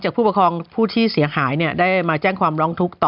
ผู้ปกครองผู้ที่เสียหายเนี่ยได้มาแจ้งความร้องทุกข์ต่อ